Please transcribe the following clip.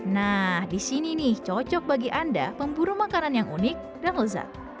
nah di sini nih cocok bagi anda pemburu makanan yang unik dan lezat